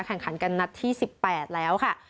แข่งขันกันนัดที่๑๘แล้วค่ะ